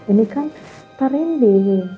ini kan pak rindy